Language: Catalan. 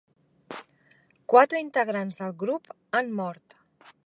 Quatre integrants del grup han mort.